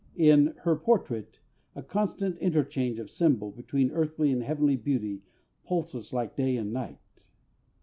In Her Portrait a constant interchange of symbol between earthly and heavenly beauty pulses like day and night.